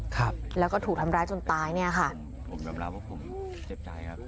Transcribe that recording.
ครับแล้วก็ถูกทำร้ายจนตายเนี้ยค่ะผมยอมรับว่าผมเจ็บใจครับ